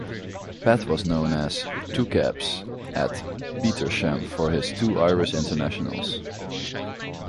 Pat was known as "Two Caps" at Petersham for his two Irish internationals.